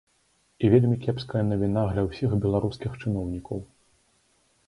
І вельмі кепская навіна для ўсіх беларускіх чыноўнікаў.